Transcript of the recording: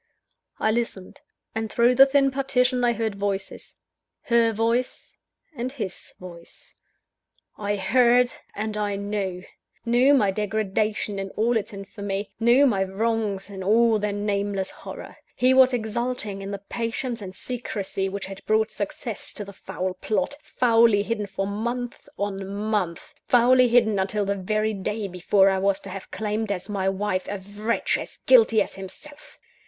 I listened; and through the thin partition, I heard voices her voice, and his voice. I heard and I knew knew my degradation in all its infamy, knew my wrongs in all their nameless horror. He was exulting in the patience and secrecy which had brought success to the foul plot, foully hidden for months on months; foully hidden until the very day before I was to have claimed as my wife, a wretch as guilty as himself!